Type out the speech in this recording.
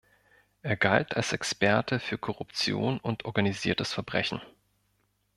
Er galt als Experte für Korruption und organisiertes Verbrechen.